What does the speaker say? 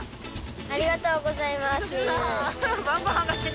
ありがとうございます。